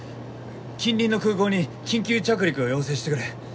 近隣の空港に緊急着陸を要請してくれ。